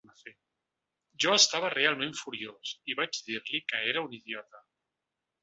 Jo estava realment furiós, i vaig dir-li que era un idiota.